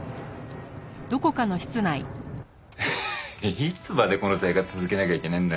いつまでこんな生活続けなきゃいけねえんだよ。